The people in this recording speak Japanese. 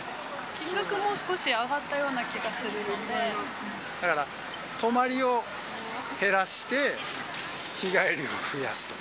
金額も少し上がったような気だから、泊まりを減らして、日帰りを増やすと。